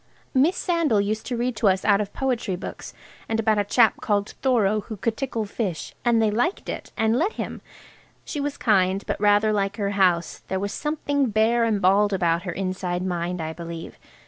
Miss Sandal used to read to us out of poetry books, and about a chap called Thoreau, who could tickle fish, and they liked it, and let him. She was kind, but rather like her house–there was something bare and bald about her inside mind, I believe.